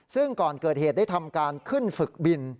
ซึ่งก่อนเกิดเหตุได้ทำการขึ้นฝึกบิน